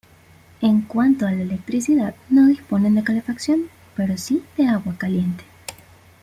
En cuanto a la electricidad, no disponen de calefacción pero si de agua caliente.